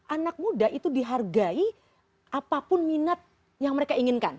anak muda itu dihargai apapun minat yang mereka inginkan